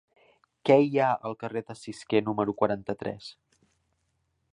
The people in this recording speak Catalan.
Què hi ha al carrer de Cisquer número quaranta-tres?